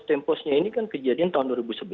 temposnya ini kan kejadian tahun dua ribu sebelas